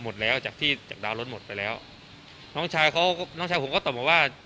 หมดแล้วจากที่จากดาวรถหมดไปแล้วน้องชายเขาน้องชายผมก็ตอบมาว่า